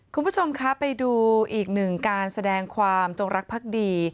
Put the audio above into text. คุณผู้ชมคะไปดูอีกหนึ่งการแสดงความจงรักภักดี